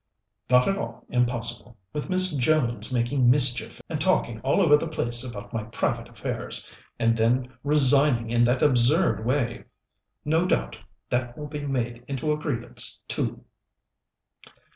"Not at all impossible, with Miss Jones making mischief and talking all over the place about my private affairs, and then resigning in that absurd way. No doubt that will be made into a grievance, too."